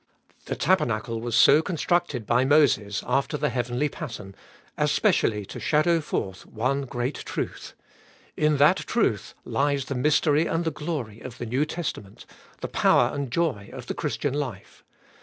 The tabernacle was so con structed by Moses, after the heavenly pattern, as specially to shadow forth one great truth. In that truth lies the mystery and the glory of the New Testament, the power and joy of the Christian life.